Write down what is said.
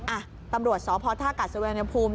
อ่ะตำรวจสภศสวรรณภูมิ